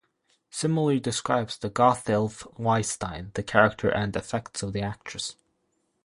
Similarly describes Gotthilf Weisstein the character and effect of the actress.